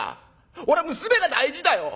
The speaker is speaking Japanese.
俺は娘が大事だよ。